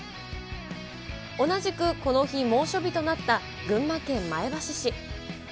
同じくこの日、猛暑日となった群馬県前橋市。